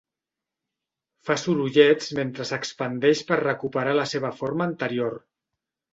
Fa sorollets mentre s'expandeix per recuperar la seva forma anterior.